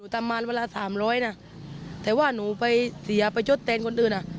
ประมาณเวลาสามร้อยนะแต่ว่าหนูไปเสียไปชดแทนคนอื่นอ่ะ